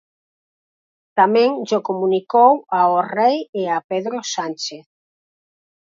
Tamén llo comunicou ao Rei e a Pedro Sánchez.